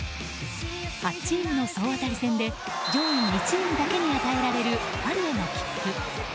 ８チームの総当たり戦で上位２チームだけに与えられるパリへの切符。